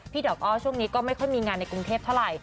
ดอกอ้อช่วงนี้ก็ไม่ค่อยมีงานในกรุงเทพเท่าไหร่